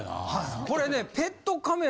これね。